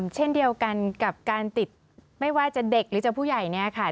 เช่นเดียวกันกับการติดไม่ว่าจะเด็กหรือจะผู้ใหญ่เนี่ยค่ะ